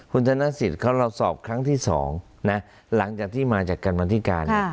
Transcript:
คุณธนสิทธิ์เขาเราสอบครั้งที่๒นะหลังจากที่มาจากการบันธิการ